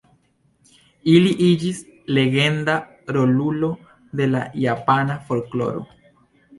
Li iĝis legenda rolulo de la japana folkloro.